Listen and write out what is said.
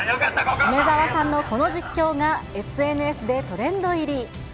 梅澤さんのこの実況がＳＮＳでトレンド入り。